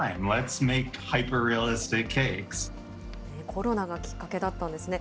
コロナがきっかけだったんですね。